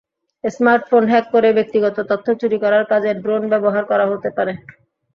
Smartphone hack করে ব্যক্তিগত তথ্য চুরি করার কাজে ড্রোন ব্যবহার করা হতে পারে।